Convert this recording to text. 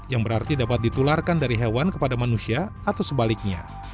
yang berarti dapat ditularkan dari hewan kepada manusia atau sebaliknya